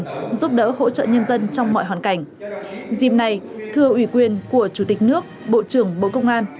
giúp đỡ hỗ trợ nhân dân trong mọi hoàn cảnh dìm này thưa ủy quyền của chủ tịch nước bộ trưởng bộ công an